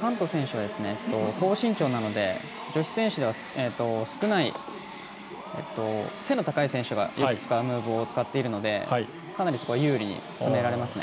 ハント選手は高身長なので女子選手では少ない背の高い選手がよく使うムーブを使っているのでかなり、そこは有利に進められますね。